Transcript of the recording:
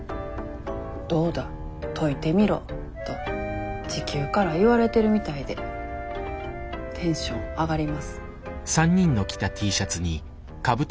「どうだ解いてみろ」と地球から言われてるみたいでテンション上がります。